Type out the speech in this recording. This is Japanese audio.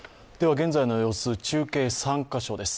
現在の様子、中継、３か所です。